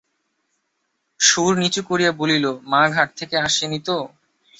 সুর নিচু করিয়া বলিল, মা ঘাট থেকে আসে নি তো?